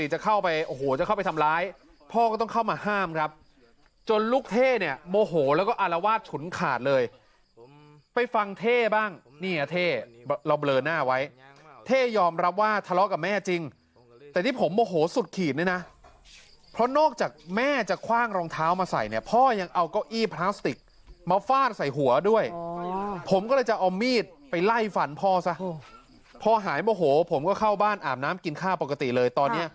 ห้ามครับจนลูกเท่เนี่ยโมโหแล้วก็อารวาสฉุนขาดเลยไปฟังเท่บ้างเนี่ยเท่เราเบลอหน้าไว้เท่ยอมรับว่าทะเลาะกับแม่จริงแต่ที่ผมโมโหสุดขีดนี่นะเพราะนอกจากแม่จะคว้างรองเท้ามาใส่เนี่ยพ่อยังเอาเก้าอี้พลาสติกมาฟาดใส่หัวด้วยผมก็เลยจะเอามีดไปไล่ฝันพ่อซะพ่อหายโมโหผมก็เข้าบ้านอาบน้